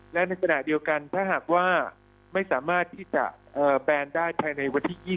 และในขณะเดียวกันถ้าหากว่าไม่สามารถที่จะแบนได้ภายในวันที่๒๐